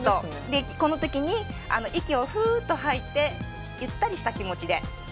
でこの時に息をフーッと吐いてゆったりした気持ちで。